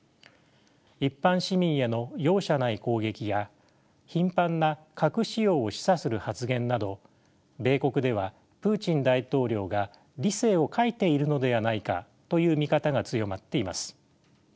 一般市民への容赦ない攻撃や頻繁な核使用を示唆する発言など米国ではプーチン大統領が理性を欠いているのではないかという見方が強まっています。